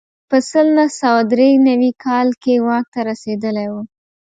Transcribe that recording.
په سل نه سوه درې نوي کال کې واک ته رسېدلی و.